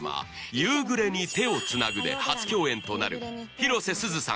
「夕暮れに、手をつなぐ」で初共演となる広瀬すずさん